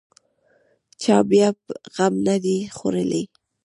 چا بیا غم نه دی خوړلی.